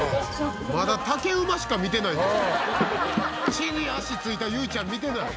地に足着いたゆいちゃん見てない。